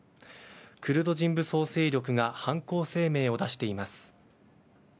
クルド人武装勢力が犯行声明を出しています。